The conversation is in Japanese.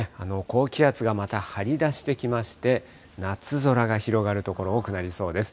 高気圧がまた張り出してきまして、夏空が広がる所、多くなりそうです。